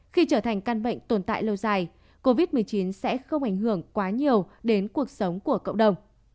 khi trở thành căn bệnh tồn tại lâu dài covid một mươi chín sẽ không ảnh hưởng quá nhiều đến cuộc sống của cộng đồng